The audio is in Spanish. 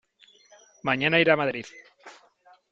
Mañana iré a Madrid.